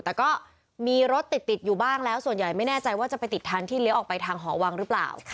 แต่ก็มีรถติดอยู่บ้างแล้วส่วนใหญ่ไม่แน่ใจว่าจะไปติดทางที่เลี้ยวออกไปทางหอวังหรือเปล่า